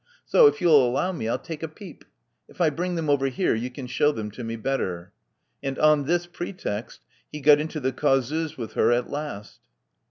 So, if you'll allow me, 1*11 take a peep. If I bring them over here, you can shew them to me better." And, on this pretext, he got into the causeuse with her at last.